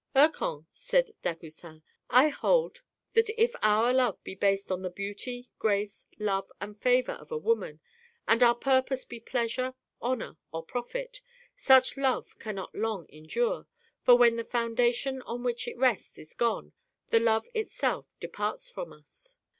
"Hircan," replied Dagoucin, "I hold that if our love be based on the beauty, grace, love, and favour of a woman, and our purpose be pleasure, honour, or profit, such love cannot long endure; for when the foundation on which it rests is gone, the love itself departs from us.